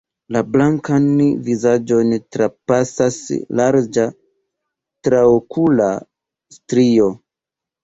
La blankan vizaĝon trapasas larĝa traokula strio.